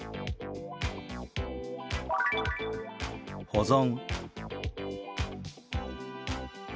「保存」。